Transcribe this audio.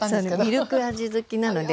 ミルク味好きなのではい。